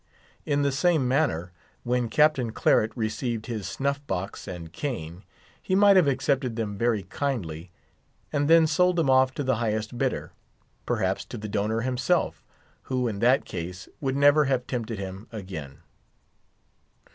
In the same manner, when Captain Claret received his snuff box and cane, he might have accepted them very kindly, and then sold them off to the highest bidder, perhaps to the donor himself, who in that case would never have tempted him again.